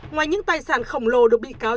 ngoài những tài sản khổng lồ được bị cáo